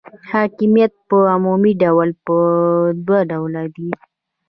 حاکمیت په عمومي ډول په دوه ډوله دی.